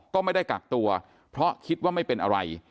ก็ไม่ได้กักตัวเพราะคิดว่าไม่เป็นอะไร